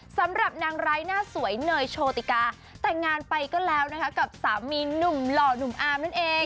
สำหรับนางร้ายหน้าสวยเนยโชติกาแต่งงานไปก็แล้วนะคะกับสามีหนุ่มหล่อหนุ่มอาร์มนั่นเอง